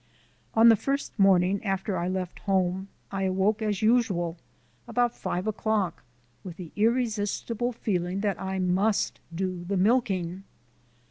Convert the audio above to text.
On the first morning after I left home I awoke as usual about five o'clock with the irresistible feeling that I must do the milking.